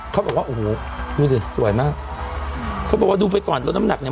เขาบอกว่าโอ้โหดูสิสวยมากเขาบอกว่าดูไปก่อนลดน้ำหนักเนี่ย